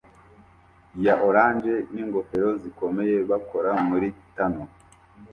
ya orange n'ingofero zikomeye bakora muri tunel